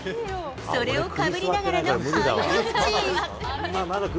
それをかぶりながらのハイタッチ。